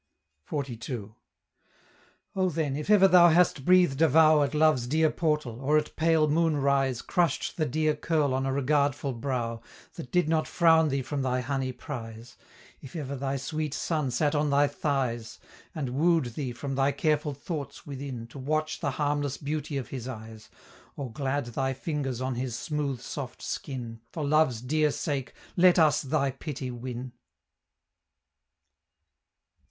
XLII. "O then, if ever thou hast breathed a vow At Love's dear portal, or at pale moon rise Crush'd the dear curl on a regardful brow, That did not frown thee from thy honey prize If ever thy sweet son sat on thy thighs, And wooed thee from thy careful thoughts within To watch the harmless beauty of his eyes, Or glad thy fingers on his smooth soft skin, For Love's dear sake, let us thy pity win!"